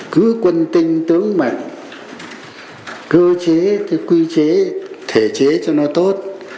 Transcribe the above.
cứ quân tinh tướng mạnh cơ chế cái quy chế thể chế cho nó tốt